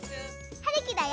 はるきだよ。